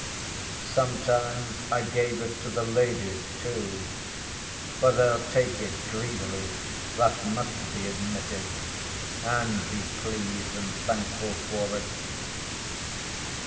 Sometimes I gave it to the ladies, too, for they'll take it greedily, that must be admitted, and be pleased and thankful for it.